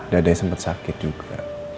dadahnya sempat sakit juga